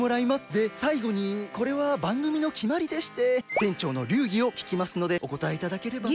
でさいごにこれはばんぐみのきまりでして店長の流儀をききますのでおこたえいただければ。